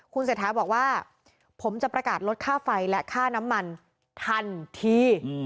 คุณเศรษฐาบอกว่าผมจะประกาศลดค่าไฟและค่าน้ำมันทันที